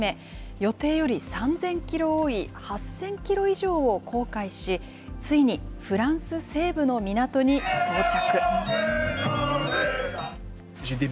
予定より３０００キロ多い８０００キロ以上を航海し、ついにフランス西部の港に到着。